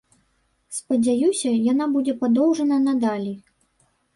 Спадзяюся, яна будзе падоўжана надалей.